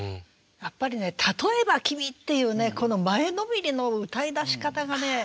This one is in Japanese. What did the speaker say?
やっぱりね「たとへば君」っていうねこの前のめりの歌いだし方がね